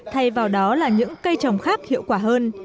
thay vào đó là những cây trồng khác hiệu quả hơn